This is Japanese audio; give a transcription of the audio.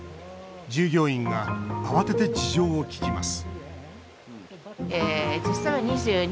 従業員が慌てて事情を聞きます